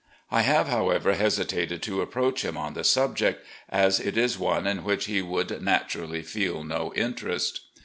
I have, however, hesitated to approach him on the subject, as it is one in which he would nattirally feel no interest."